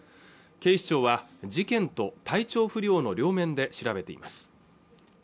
警視庁は事件と体調不良の両面で調べています